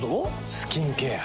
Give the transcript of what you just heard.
スキンケア。